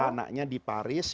anaknya di paris